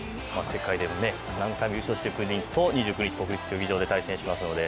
世界でも何回も優勝している国と２９日国立競技場で対戦しますので。